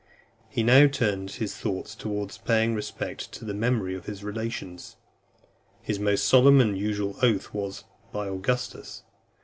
He now turned (303) his thoughts towards paying respect to the memory of his relations. His most solemn and usual oath was, "By Augustus."